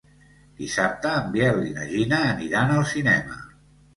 Dissabte en Biel i na Gina aniran al cinema.